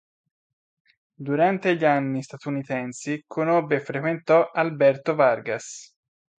Durante gli anni statunitensi conobbe e frequentò Alberto Vargas.